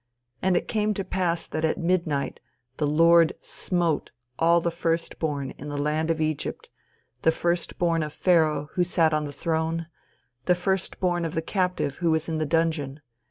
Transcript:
"And it came to pass that at midnight the Lord smote all the first born in the land of Egypt, the first born of Pharaoh who sat on the throne, and the first born of the captive who was in the dungeon.